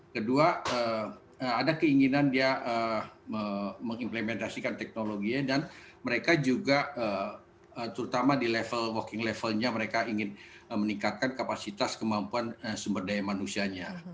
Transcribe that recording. kedua ada keinginan dia mengimplementasikan teknologinya dan mereka juga terutama di level working levelnya mereka ingin meningkatkan kapasitas kemampuan sumber daya manusianya